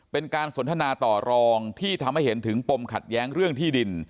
เป็นการสนทนาต่อรองที่ทำให้เห็นถึงปมขัดแย้งเรื่องที่ดิน